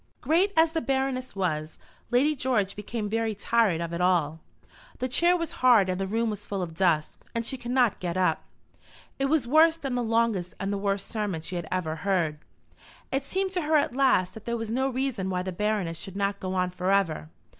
Great as the Baroness was, Lady George became very tired of it all. The chair was hard and the room was full of dust, and she could not get up. It was worse than the longest and the worst sermon she had ever heard. It seemed to her at last that there was no reason why the Baroness should not go on for ever.